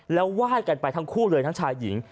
แล้วไหว้กันไปทั้งคู่เลยทั้งชายหญิง